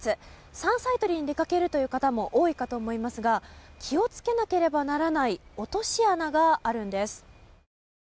山菜採りに出かけるという方も多いかと思いますが気を付けなければならない落とし穴があるんです。